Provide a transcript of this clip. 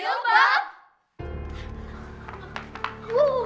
terima kasih put